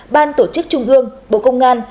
ban tổ chức trung ương bộ công an